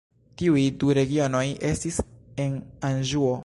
Tiuj du regionoj estis en Anĵuo.